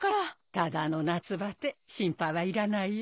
ただの夏バテ心配はいらないよ。